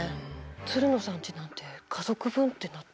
つるのさんちなんて家族分ってなったら。